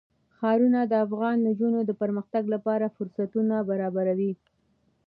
ښارونه د افغان نجونو د پرمختګ لپاره فرصتونه برابروي.